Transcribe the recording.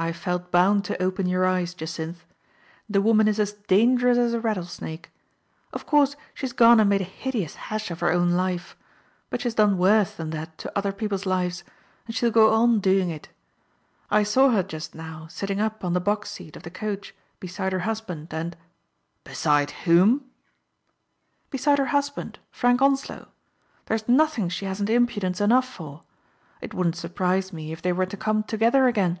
I felt bound to open your eyes, Jacynth. The woman is as dangerous as a rattlesnake. Of course she*s gone and made a hideous hash of Digitized by Google 38 THE FATE OF FENELLA, her own life ; but she has done worse than that to other people's lives, and she'll go on doing it. I saw her just now sitting up on the box seat of the coach beside her husband, and *' "Beside whom?'' " Beside her husband, Frank Onslow. There's nothing she hasn't impudence enough for! It wouldn't surprise me if they were to come to gether again."